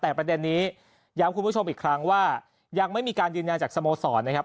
แต่ประเด็นนี้ย้ำคุณผู้ชมอีกครั้งว่ายังไม่มีการยืนยันจากสโมสรนะครับ